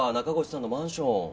中越さんのマンション。